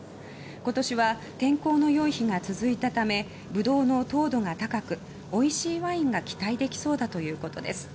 今年は天候の良い日が続いたためぶどうの糖度が高くおいしいワインが期待できそうだということです。